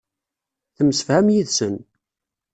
Temsefham yid-sen.